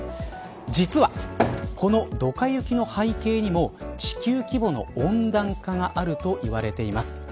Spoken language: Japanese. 実はこのドカ雪の背景にも地球規模の温暖化があるといわれています。